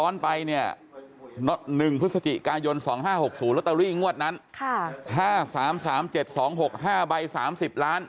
เนี่ยหนึ่งพฤศจิกายนสองห้าหกศูลอตเตอรี่งวดนั้นค่ะห้าสามสามเจ็ดสองหกห้าใบสามสิบล้าน